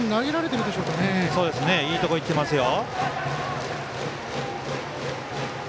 いいところいってますよ。